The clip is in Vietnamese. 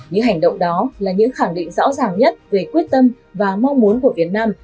những hành động đó là những khẳng định rõ ràng nhất về quyết tâm và mong muốn của việt nam